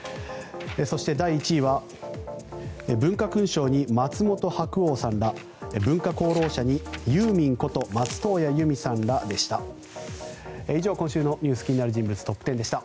そして、第１位は文化勲章に松本白鸚さんら文化功労者にユーミンこと松任谷由実さんらでした。